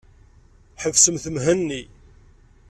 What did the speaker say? Ḥebsemt Mhenni.